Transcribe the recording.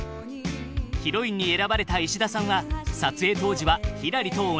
ヒロインに選ばれた石田さんは撮影当時はひらりと同い年。